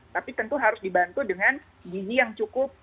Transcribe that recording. tapi tentu harus dibantu dengan gizi yang cukup